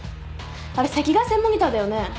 あれ赤外線モニターだよね？